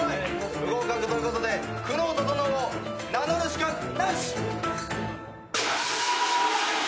不合格ということで久能整を名乗る資格なし！